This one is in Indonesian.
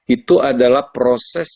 itu adalah proses